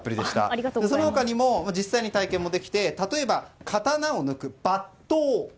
その他にも実際に体験もできて例えば、刀を抜く抜刀。